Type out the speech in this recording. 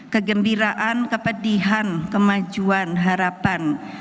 kegembiraan kepedihan kemajuan harapan